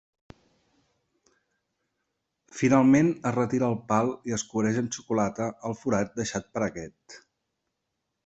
Finalment es retira el pal i es cobreix amb xocolata el forat deixat per aquest.